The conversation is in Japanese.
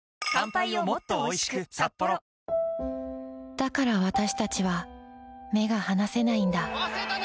だからわたしたちは目が離せないんだ